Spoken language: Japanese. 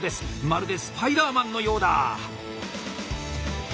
まるでスパイダーマンのようだ。